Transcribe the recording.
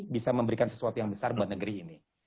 bisa memberikan sesuatu yang besar buat negeri ini